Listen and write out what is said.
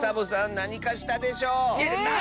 なにかしたでしょ